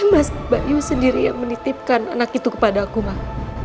mas bayu sendiri yang menitipkan anak itu kepada aku mbak